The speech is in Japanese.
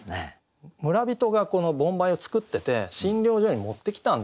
村人がこの盆梅を作ってて診療所に持ってきたんですよね。